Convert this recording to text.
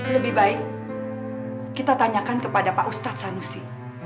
lebih baik kita tanyakan kepada pak ustadz sanusi